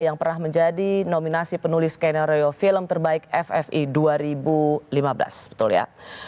yang pernah menjadi nominasi penulis skenario film terbaik ffi dua ribu lima belas betul ya